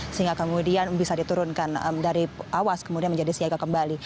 sehingga kemudian bisa diturunkan dari awas kemudian menjadi siaga kembali